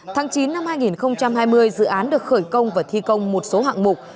tháng chín năm hai nghìn hai mươi dự án được khởi công và thi công một số hạng mục